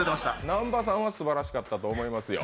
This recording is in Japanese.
南波さんはすばらしかったと思いますよ。